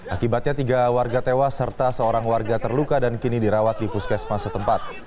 akibatnya tiga warga tewas serta seorang warga terluka dan kini dirawat di puskesmas setempat